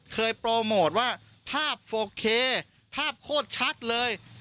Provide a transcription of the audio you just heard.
โปรโมทว่าภาพโอเคภาพโคตรชัดเลย